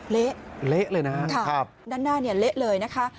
เละเลยนะครับครับด้านหน้าเละเลยนะคะ